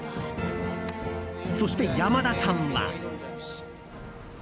そして、山田さんは。